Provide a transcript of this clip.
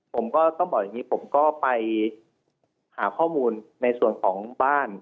ผมก็ต้องบอกอย่างนี้ผมก็ไปหาข้อมูลในส่วนของบ้าน